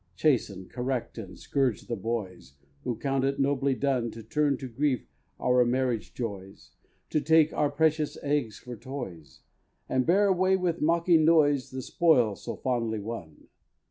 Chasten, correct and scourge the boys Who count it nobly done To turn to grief our marriage joys, To take our precious eggs for toys, And bear away with mocking noise The spoil so foully won.